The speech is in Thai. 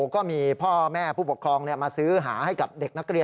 ก็มีพ่อแม่ผู้ปกครองมาซื้อหาให้กับเด็กนักเรียน